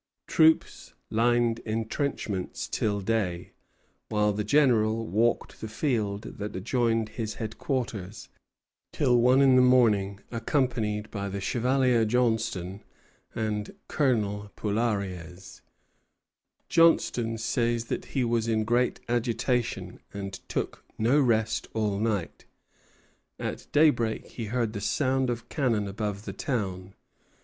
Troops lined the intrenchments till day, while the General walked the field that adjoined his headquarters till one in the morning, accompanied by the Chevalier Johnstone and Colonel Poulariez. Johnstone says that he was in great agitation, and took no rest all night. At daybreak he heard the sound of cannon above the town.